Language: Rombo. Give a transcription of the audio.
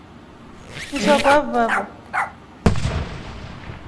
Meso yakwa yalivava.